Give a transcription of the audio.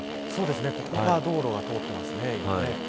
ここが道路が通ってますね。